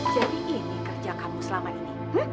jadi ini kerja kamu selama ini